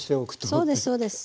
そうですそうです。